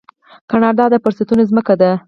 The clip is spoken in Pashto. کاناډا د فرصتونو ځمکه ده.